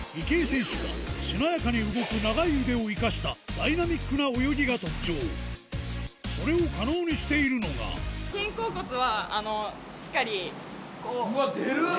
池江選手はしなやかに動く長い腕を生かしたダイナミックな泳ぎが特徴それを可能にしているのがうわっ出る！